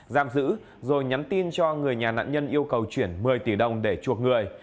giam giữ rồi nhắn tin cho người nhà nạn nhân yêu cầu chuyển một mươi tỷ đồng để chuộc người